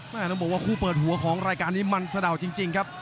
ต้องบอกว่าคู่เปิดหัวของรายการนี้มันสะดาวจริงครับ